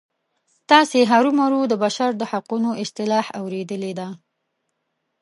تاسې هرومرو د بشر د حقونو اصطلاح اوریدلې ده.